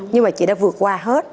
nhưng mà chị đã vượt qua hết